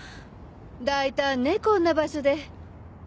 大胆ねこんな場所で。